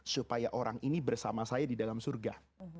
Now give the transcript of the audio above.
supaya orang ini bersama saya di dalam surga